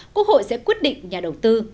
quốc hội sẽ quyết định nhà đầu tư